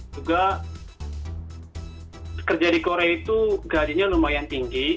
juga kerja di korea itu gadinya lumayan tinggi